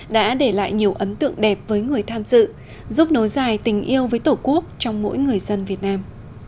đã để lại nhiều ấn tượng đẹp với người tham dự giúp nối dài tình yêu với tổ quốc trong mỗi người dân việt nam